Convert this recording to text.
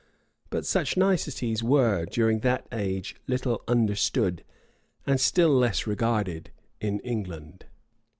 But such niceties were, during that age, little understood, and still less regarded, in England.